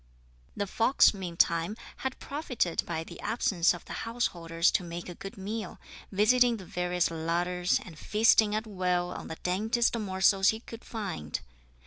The fox, meantime, had profited by the absence of the householders to make a good meal, visiting the various larders, and feasting at will on the daintiest morsels he could find.